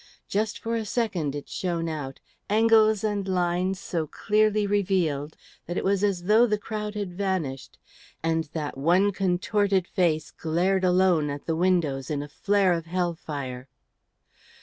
Just for a second it shone out, angles and lines so clearly revealed that it was as though the crowd had vanished, and that one contorted face glared alone at the windows in a flare of hell fire.